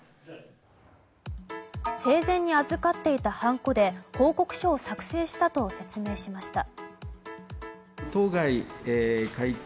生前に預かっていたはんこで報告書を作成したと説明しました。